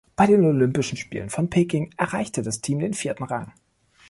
Bei den Olympischen Spielen von Peking erreichte das Team den vierten Rang.